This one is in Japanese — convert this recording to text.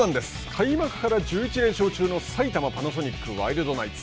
開幕から１１連勝中の埼玉パナソニックワイルドナイツ。